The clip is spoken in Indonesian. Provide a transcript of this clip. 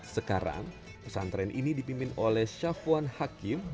sekarang pesantren ini dipimpin oleh syafwan hakim